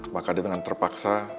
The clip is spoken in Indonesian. maka dia dengan terpaksa